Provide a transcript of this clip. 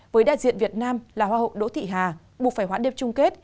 với đại diện việt nam là hoa hậu đỗ thị hà buộc phải hoãn điệp chung kết